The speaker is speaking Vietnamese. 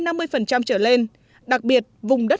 trở lên đặc biệt vùng đất